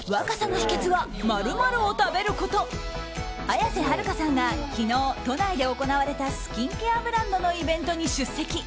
綾瀬はるかさんが昨日、都内で行われたスキンケアブランドのイベントに出席。